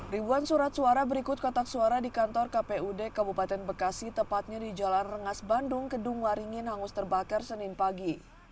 ribuan surat suara berikut kotak suara di kantor kpud kabupaten bekasi tepatnya di jalan rengas bandung kedung waringin hangus terbakar senin pagi